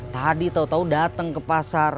tadi tau tau datang ke pasar